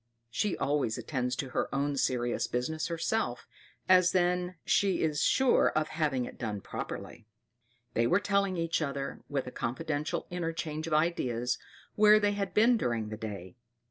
She always attends to her own serious business herself, as then she is sure of having it done properly. They were telling each other, with a confidential interchange of ideas, where they had been during the day.